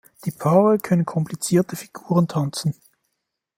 Die Paare können komplizierte Figuren tanzen.